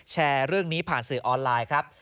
แชร์เรื่องนี้ผ่านสื่อออนไลน์ครับ